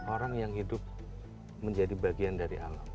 orang yang hidup menjadi bagian dari alam